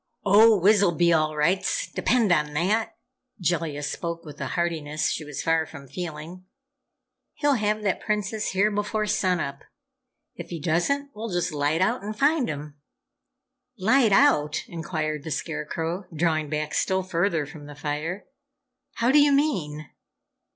"Oh, Wiz'll be all rights depend on that!" Jellia spoke with a heartiness she was far from feeling. "He'll have that Princess here before sun up. If he doesn't, we'll just light out and find him!" "Light out?" inquired the Scarecrow, drawing back still further from the fire. "How do you mean?"